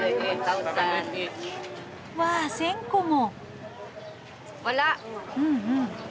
わあ１，０００個も！？